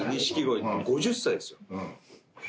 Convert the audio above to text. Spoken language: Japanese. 錦鯉５０歳ですよ